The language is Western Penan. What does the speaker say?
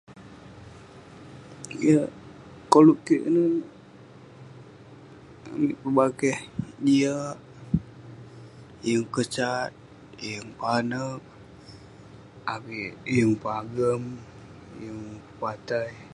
Koluk kik, amik pebakeh jiak, yeng kesat, yeng panouk, avik yeng pagem..yeng pepatai